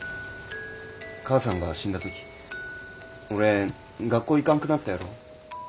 母さんが死んだ時俺学校行かんくなったやろ？